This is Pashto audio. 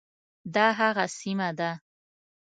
دا هغه سیمه ده.